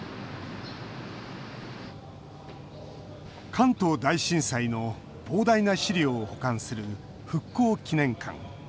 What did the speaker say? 関東大震災の膨大な資料を保管する復興記念館。